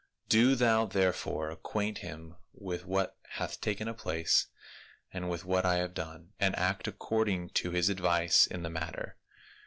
Do thou therefore ac quaint him with what hath taken place and with what I have done, and act according to his advice in the matter."